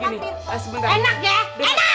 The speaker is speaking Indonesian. enak ya enak enak lo